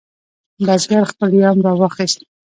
بزګر خپل یوم راواخست.